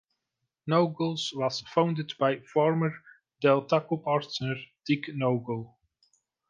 Naugles was founded by former Del Taco partner Dick Naugle.